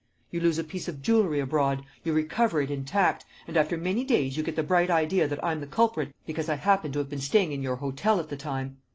You lose a piece of jewellery abroad; you recover it intact; and after many days you get the bright idea that I'm the culprit because I happen to have been staying in your hotel at the time.